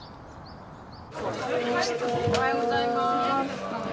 おはようございます。